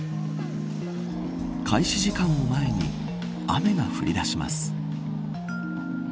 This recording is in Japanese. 開始時間を前に雨が降りだします。